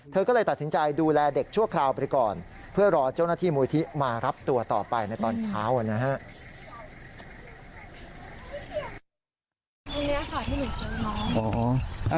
เธอก็เลยตัดสินใจดูแลเด็กชั่วคราวไปก่อนเพื่อรอเจ้าหน้าที่มูลที่มารับตัวต่อไปในตอนเช้านะฮะ